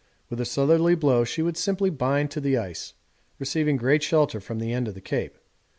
With a southerly blow she would simply bind on to the ice, receiving great shelter from the end of the Cape.